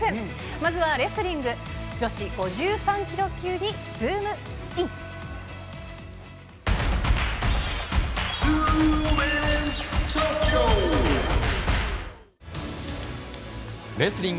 まずはレスリング女子５３キロ級にズームイン！！